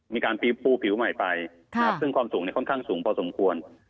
มีการปูผิวใหม่ไปซึ่งความสูงค่อนข้างสูงพอสมควร